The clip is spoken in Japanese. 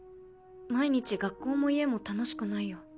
毎日学校も家も楽しくないよ。